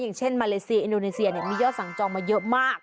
อย่างเช่นมาเลเซียอินโดนีเซียมียอดสั่งจองมาเยอะมาก